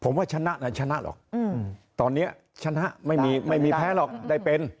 ผมว่าชนะไหนชนะหรอกตอนนี้ชนะไม่มีไม่มีแพ้หรอกได้เป็น